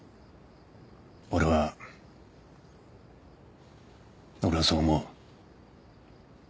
俺は俺はそう思う。